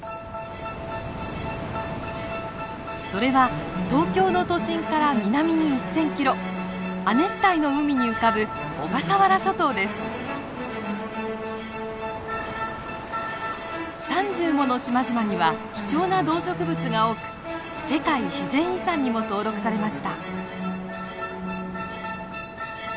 それは東京の都心から南に１，０００キロ亜熱帯の海に浮かぶ３０もの島々には貴重な動植物が多く世界自然遺産にも登録されました。